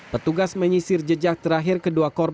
petugas menyisir jejak terakhir kedua korban